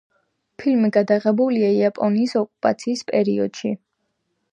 ფილმი გადაღებულია იაპონიის ოკუპაციის პერიოდში.